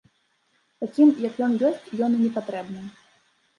Такім, як ён ёсць, ён і не патрэбны.